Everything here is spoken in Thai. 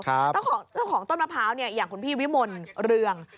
เจ้าของต้นมะพร้าวอย่างคุณพี่วิมลเรือง